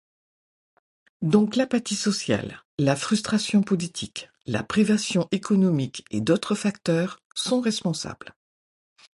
Donc l'apathie sociale, la frustration politique, la privation économique et d'autres facteurs sont responsables.